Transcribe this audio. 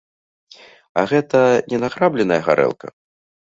А гэта не награбленая гарэлка?